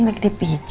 kamu kenapa sih